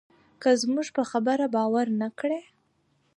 که زموږ په خبره باور نه کړې.